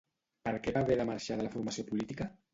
Per què va haver de marxar de la formació política?